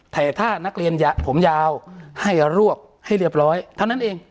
แต่ถ้านักเรียนผมยาวให้รวบให้เรียบร้อยเท่านั้นเอง